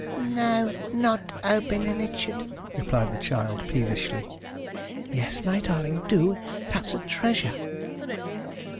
'No, not "Obin and Ichard,"' replied the child peevishly. 'Yes, my darling, do, that's a treasure.'